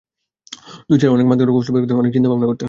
দুই চালে মাত করার কৌশল বের করতে অনেক চিন্তাভাবনা করতে হয়।